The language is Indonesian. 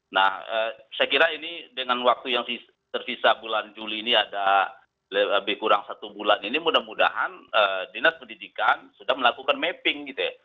nah saya kira ini dengan waktu yang tersisa bulan juli ini ada lebih kurang satu bulan ini mudah mudahan dinas pendidikan sudah melakukan mapping gitu ya